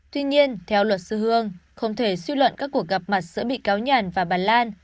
tuy nhiên theo luật sư hương không thể suy luận các cuộc gặp mặt giữa bị cáo nhàn và bà lan